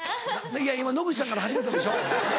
いや今野口さんから始めたでしょ？